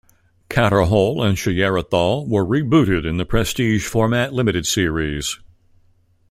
Katar Hol and Shayera Thal were rebooted in the prestige format limited series.